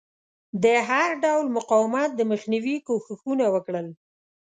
د هر ډول مقاومت د مخنیوي کوښښونه وکړل.